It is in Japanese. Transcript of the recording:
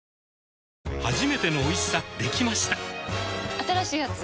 新しいやつ？